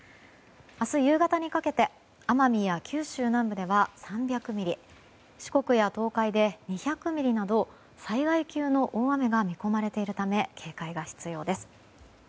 明日夕方にかけて奄美や九州南部では３００ミリ四国や東海で２００ミリなど災害級の大雨が見込まれているため警戒が必要です。